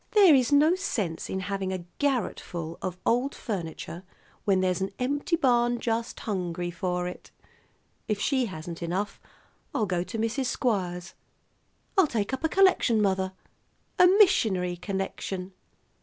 There is no sense in having a garret full of old furniture when there's an empty barn just hungry for it. If she hasn't enough, I'll go to Mrs. Squires. I'll take up a collection, mother, a missionary collection."